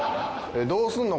どうすんの？